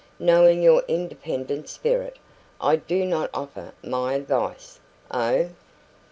Knowing your independent spirit, I do not offer my advice " "Oh!"